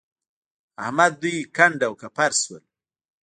احمد دوی کنډ او کپر شول.